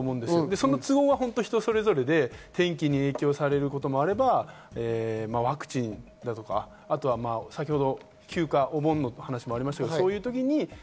その都合は、人それぞれで天気に影響されることもあればワクチンだとか、お盆の話もありましたけれども。